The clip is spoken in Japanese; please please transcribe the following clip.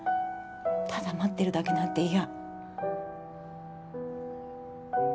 ただ待ってるだけなんて嫌。